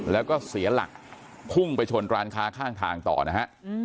แล้วก็เสียหลักพุ่งไปชนร้านค้าข้างทางต่อนะฮะ